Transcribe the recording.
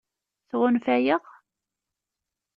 Tɣunfa-aɣ?